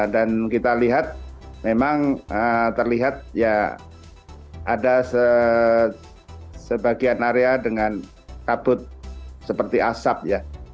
dan kita lihat memang terlihat ya ada sebagian area dengan kabut seperti asap ya